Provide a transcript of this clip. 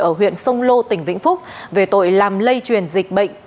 ở huyện sông lô tỉnh vĩnh phúc về tội làm lây truyền dịch bệnh